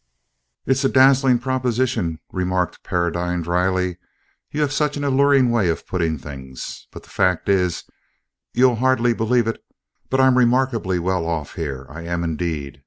"It's a dazzling proposition," remarked Paradine drily. "You have such an alluring way of putting things. But the fact, is, you'll hardly believe it, but I'm remarkably well off here. I am indeed.